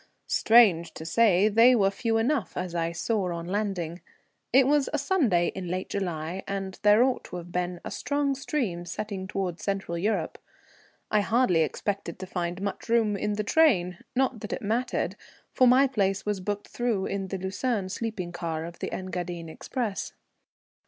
Strange to say, they were few enough, as I saw on landing. It was a Sunday in late July, and there ought to have been a strong stream setting towards Central Europe. I hardly expected to find much room in the train; not that it mattered, for my place was booked through in the Lucerne sleeping car of the Engadine express.